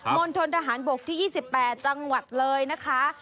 ณฑนทหารบกที่๒๘จังหวัดเลยนะคะ